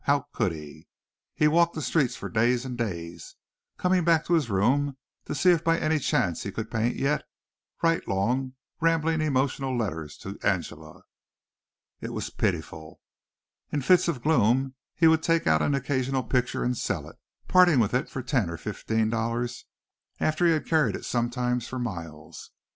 How could he? He walked the streets for days and days, coming back to his room to see if by any chance he could paint yet, writing long, rambling, emotional letters to Angela. It was pitiful. In fits of gloom he would take out an occasional picture and sell it, parting with it for ten or fifteen dollars after he had carried it sometimes for miles.